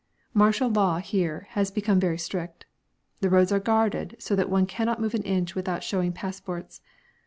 Martial law here has become very strict. The roads are guarded so that one cannot move an inch without showing passports.